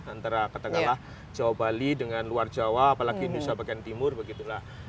antara katakanlah jawa bali dengan luar jawa apalagi indonesia bagian timur begitulah